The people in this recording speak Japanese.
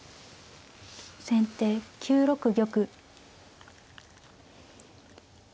先手９六玉。